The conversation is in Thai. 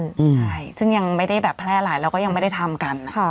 ใช่ซึ่งยังไม่ได้แบบแพร่หลายแล้วก็ยังไม่ได้ทำกัน